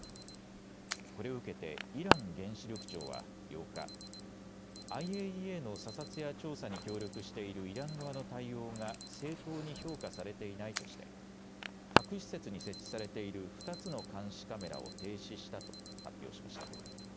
これを受けてイラン原子力庁は８日、ＩＡＥＡの査察や調査に協力しているイラン側の対応が正当に評価されていないとして核施設に設置されている２つの監視カメラを停止したと発表しました。